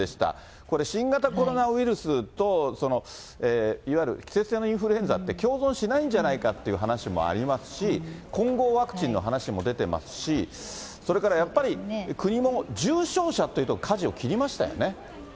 これ新型コロナウイルスといわゆる季節性のインフルエンザって共存しないんじゃないかっていう話もありますし、混合ワクチンの話も出てますし、それからやっぱり、国も重症者というところに、かじを切りましたよね。